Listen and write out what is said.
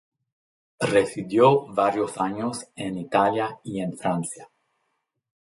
Residió varios años en Italia y en Francia.